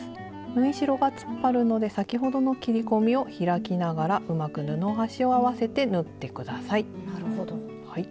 縫い代が突っ張るので先ほどの切り込みを開きながらうまく布端を合わせて縫って下さい。